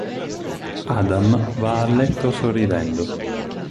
Adam va a letto sorridendo.